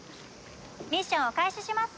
ミッションを開始します。